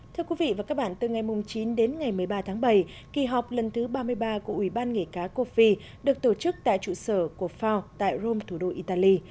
thưa quý vị và các bạn từ ngày chín đến ngày một mươi ba tháng bảy kỳ họp lần thứ ba mươi ba của ủy ban nghề cá cô phi được tổ chức tại trụ sở của fao tại rome thủ đô italy